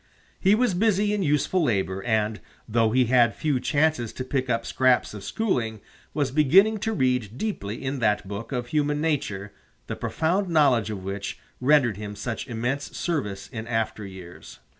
He was busy in useful labor, and, though he had few chances to pick up scraps of schooling, was beginning to read deeply in that book of human nature, the profound knowledge of which rendered him such immense service in after years.